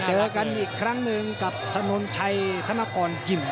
เจอกันอีกครั้งหนึ่งกับถนนชัยธนกรกิม